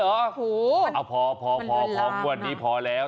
อ้าวพอพอกว่านี้พอแล้ว